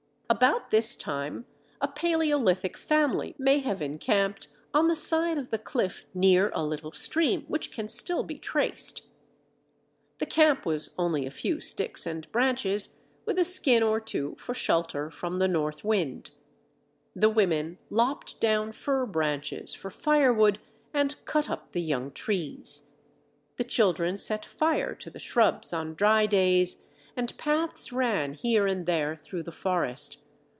About this time, a paleolithic family may have encamped on the side of the cliff near a little stream which can still be traced. The camp was only a few sticks and branches, with a skin or two for shelter from the north wind. The women lopped down fir branches for firewood, and cut up the young trees. The children set fire to the shrubs on dry days and paths ran here and there through the forest.